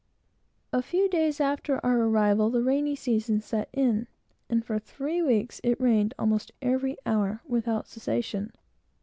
A few days after our arrival, the rainy season set in, and, for three weeks, it rained almost every hour, without cessation.